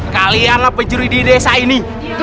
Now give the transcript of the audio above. kalianlah pencuri di desa ini